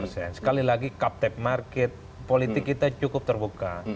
sekali lagi captive market politik kita cukup terbuka